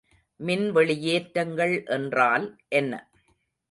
மின் வெளியேற்றங்கள் என்றால் என்ன?